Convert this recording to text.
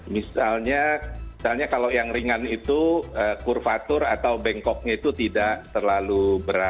misalnya kalau yang ringan itu kurvatur atau bengkoknya itu tidak terlalu berat